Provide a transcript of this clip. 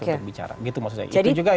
untuk bicara gitu maksud saya